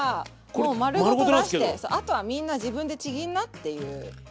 もう丸ごと出してそうあとはみんな自分でちぎんなっていうピーマンです。